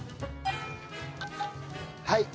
はい。